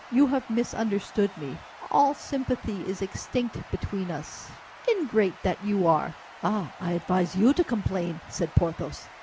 You have misunderstood me, all sympathy is extinct between us." "Ingrate that you are!" "Ah! I advise you to complain!" said Porthos.